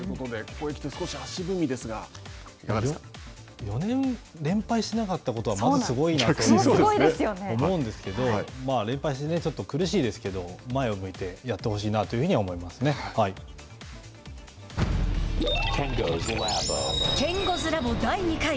ここへきて少し足踏みですが４年連敗してなかったことはまずすごいなと思うんですけど連敗してちょっと苦しいですけど前を向いてやってほしいなケンゴズラボ第２回。